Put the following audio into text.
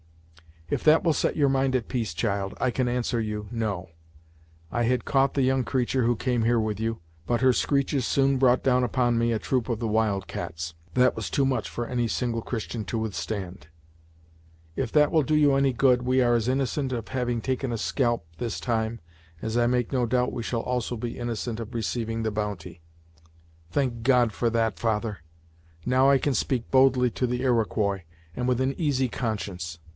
"If that will set your mind at peace, child, I can answer you, no. I had caught the young creatur' who came here with you, but her screeches soon brought down upon me a troop of the wild cats, that was too much for any single Christian to withstand. If that will do you any good, we are as innocent of having taken a scalp, this time, as I make no doubt we shall also be innocent of receiving the bounty." "Thank God for that, father! Now I can speak boldly to the Iroquois, and with an easy conscience.